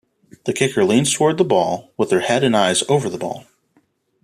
The kicker leans toward the ball, with their head and eyes over the ball.